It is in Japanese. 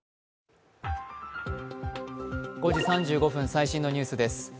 最新のニュースです。